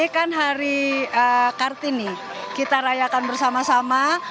ini kan hari kartini kita rayakan bersama sama